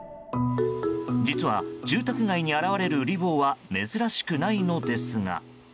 実は住宅街に現れるうり坊は珍しくないのですが。